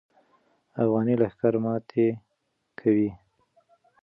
افغاني لښکر ماتې کوي.